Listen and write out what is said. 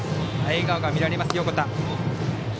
笑顔が見られます、横田。